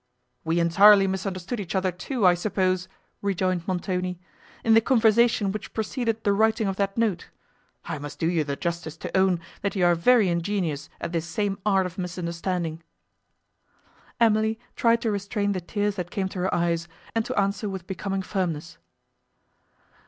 "We entirely misunderstood each other too, I suppose," rejoined Montoni, "in the conversation which preceded the writing of that note? I must do you the justice to own, that you are very ingenious at this same art of misunderstanding." Emily tried to restrain the tears that came to her eyes, and to answer with becoming firmness.